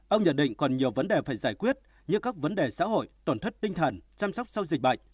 ông nhận định còn nhiều vấn đề phải giải quyết như các vấn đề xã hội tổn thất tinh thần chăm sóc sau dịch bệnh